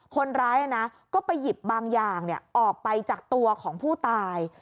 คนร้ายก็ไปหยิบบางอย่างออกไปจากตัวของผู้ตาย